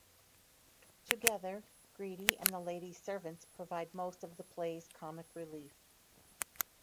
Together, Greedy and the Lady's servants provide most of the play's comic relief.